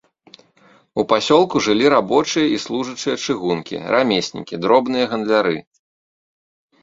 У пасёлку жылі рабочыя і служачыя чыгункі, рамеснікі, дробныя гандляры.